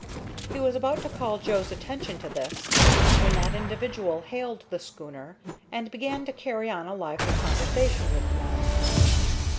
He was about to call Joe's attention to this, when that individual hailed the schooner, and began to carry on a lively conversation with her men.